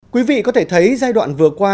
quý vị có thể thấy giai đoạn vừa qua